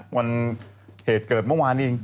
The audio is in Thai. วันเหตุเกิดเมื่อวานเอง